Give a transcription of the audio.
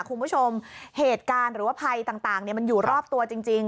คุณผู้ชมเหตุการณ์หรือว่าภัยต่างมันอยู่รอบตัวจริง